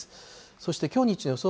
そしてきょう日中の予想